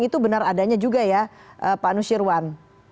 itu benar adanya juga ya pak nusirwan